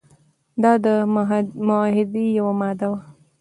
دا د معاهدې یوه ماده وه.